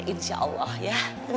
insya allah ya